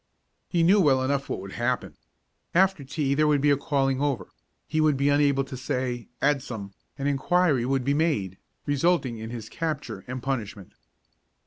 He knew well enough what would happen. After tea there would be calling over; he would be unable to say "Adsum," and inquiry would be made, resulting in his capture and punishment.